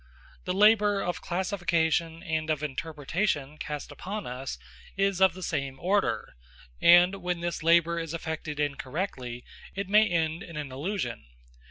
The labour of classification and of interpretation cast upon us is of the same order; and, when this labour is effected incorrectly, it may end in an illusion.